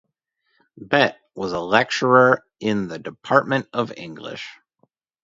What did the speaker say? Bet was a lecturer in the Department of English.